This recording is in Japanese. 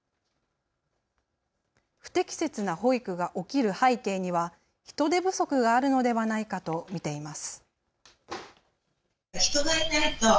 不適切な保育が起きる背景には人手不足があるのではないかと見ています。